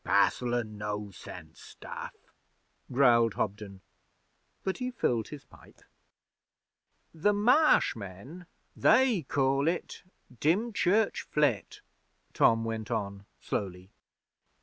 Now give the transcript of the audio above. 'Passel o' no sense stuff,' growled Hobden, but he filled his pipe. 'The Marsh men they call it Dymchurch Flit,' Tom went on slowly.